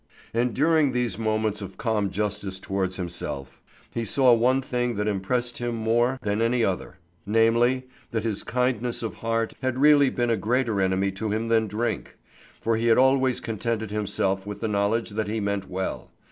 "There! There!" And during these moments of calm justice towards himself, he saw one thing that impressed him more than any other, namely, that his kindness of heart had really been a greater enemy to him than drink; for he had always contented himself with the knowledge that he meant well.